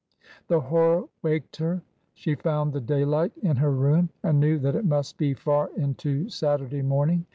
The horror waked her. She found the daylight in her room and knew that it must be far into Saturday morn ing.